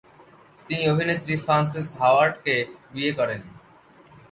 তিনি অভিনেত্রী ফ্রান্সেস হাওয়ার্ডকে বিয়ে করেন।